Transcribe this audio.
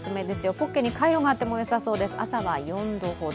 ポッケにカイロがあってもよさそうです、朝は４度ほど。